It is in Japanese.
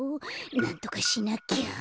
なんとかしなきゃ。